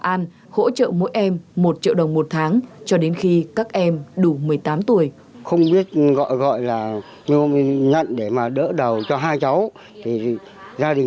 bà an hỗ trợ mỗi em một triệu đồng một tháng cho đến khi các em đủ một mươi tám tuổi